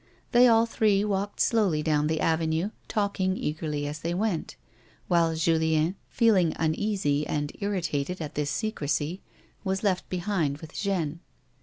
They all three walked slowly down the avenue talking eagerly as they went, while Julien, feeling uneasy and irritated at this secrecy, was left behind with Jeanne.